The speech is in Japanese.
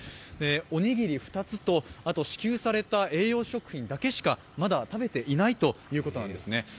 おにぎり２つと支給された栄養食品しか食べていないということなんですね。